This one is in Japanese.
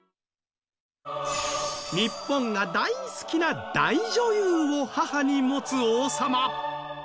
ニッポンが大好きな大女優を母に持つ王様。